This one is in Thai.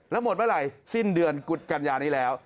แล้วหมดเมื่อไหร่สิ้นเดือนกุฎกันยานี้แล้ว